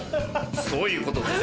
そういうことです。